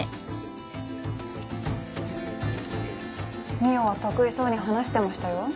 未央は得意そうに話してましたよ。